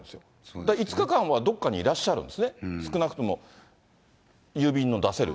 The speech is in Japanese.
だから５日間はどこかにいらっしゃるんですね、少なくとも郵便の出せる。